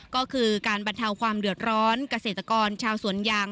ก็คือการบรรเทาความเดือดร้อนเกษตรกรชาวสวนยาง